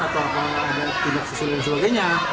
atau apa ada tindak susul dan sebagainya